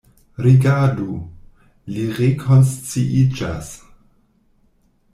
Rigardu: li rekonsciiĝas.